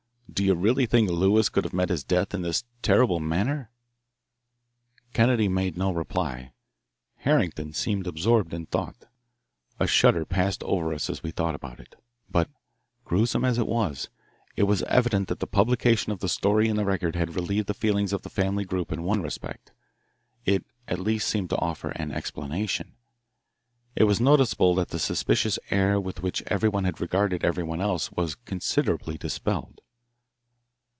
Do you really think Lewis could have met his death in this terrible manner?" Kennedy made no reply. Harrington seemed absorbed in thought. A shudder passed over us as we thought about it. But, gruesome as it was, it was evident that the publication of the story in the Record had relieved the feelings of the family group in one respect it at least seemed to offer an explanation. It was noticeable that the suspicious air with which everyone had regarded everyone else was considerably dispelled.